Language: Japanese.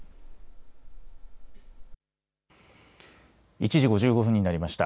１時５５分になりました。